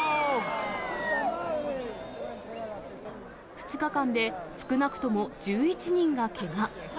２日間で少なくとも１１人がけが。